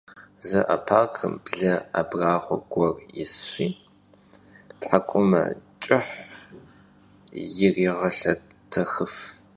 Zooparkım ble abrağue guer yisşi thek'umeç'ıh yirêğelhetexıf.